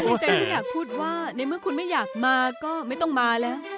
ตอนนี้ในใจนี่แห่งพูดว่าในเมื่อคุณไม่อยากมาก็ไม่ต้องมาละ